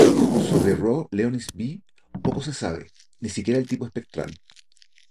Sobre Rho Leonis B poco se sabe, ni siquiera el tipo espectral.